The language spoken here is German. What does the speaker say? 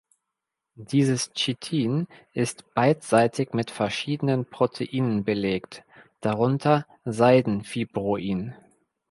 Dieses Chitin ist beidseitig mit verschiedenen Proteinen belegt, darunter Seiden-Fibroin.